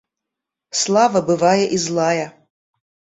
Слава бывае і злая.